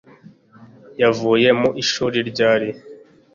Yavuye mu ishuri ryari